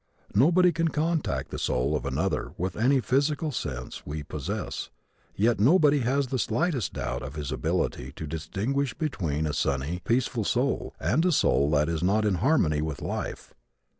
Nobody can contact the soul of another with any physical sense we possess yet nobody has the slightest doubt of his ability to distinguish between a sunny, peaceful soul and a soul that is not in harmony with life.